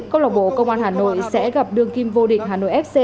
câu lạc bộ công an hà nội sẽ gặp đường kim vô địch hanoi fc